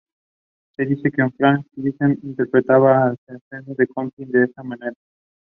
He worked in education in Ramla as the principal of Al Huda School.